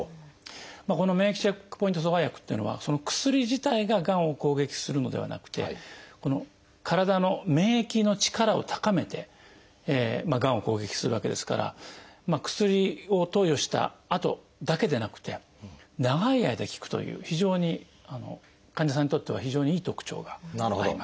この免疫チェックポイント阻害薬っていうのはその薬自体ががんを攻撃するのではなくて体の免疫の力を高めてがんを攻撃するわけですから薬を投与したあとだけでなくて長い間効くという非常に患者さんにとっては非常にいい特徴があります。